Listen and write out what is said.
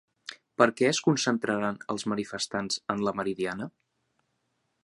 Per què es concentraran els manifestants en la Meridiana?